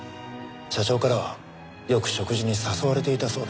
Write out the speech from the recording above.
社長からはよく食事に誘われていたそうです。